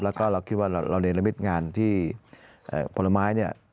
แล้วก็เราคิดว่าเราเนรมิตงานที่ผลไม้เนี่ย